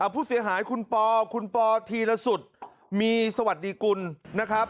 ผู้เสียหายคุณปอคุณปอธีรสุทธิ์มีสวัสดีกุลนะครับ